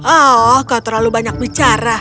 oh kau terlalu banyak bicara